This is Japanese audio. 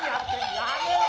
やめろよ！